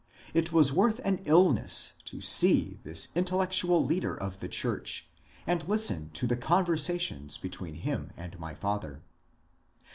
It was worth an illness to see this intellectual leader of the church and listen to the conversations between him and my father.